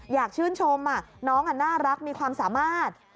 อยากชื่นชมน้องน่ารักมีความสามารถ